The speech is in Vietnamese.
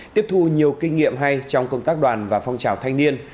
tiếp thu nhiều kinh nghiệm hay trong công tác đoàn và phong trào thanh niên